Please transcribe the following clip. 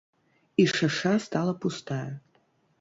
І шаша стала пустая.